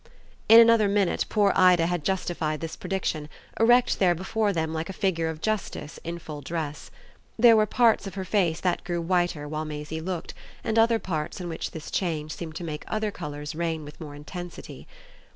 In another minute poor Ida had justified this prediction, erect there before them like a figure of justice in full dress. There were parts of her face that grew whiter while Maisie looked, and other parts in which this change seemed to make other colours reign with more intensity.